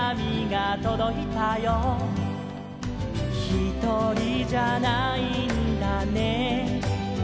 「ひとりじゃないんだね」